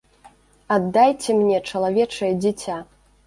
Аддайце мне чалавечае дзіця!